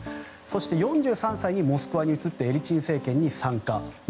そして４３歳にモスクワに移ってエリツィン政権に参加。